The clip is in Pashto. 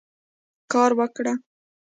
کار وکړه.